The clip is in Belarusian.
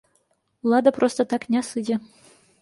Улада проста так не сыдзе.